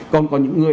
còn có những người